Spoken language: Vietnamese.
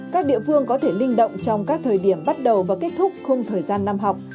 các địa phương có thể linh động trong các thời điểm bắt đầu và kết thúc không thời gian năm học